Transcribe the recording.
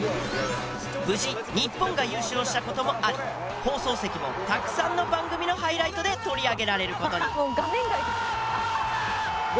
無事日本が優勝した事もあり放送席もたくさんの番組のハイライトで取り上げられる事に。